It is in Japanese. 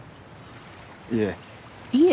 いえ。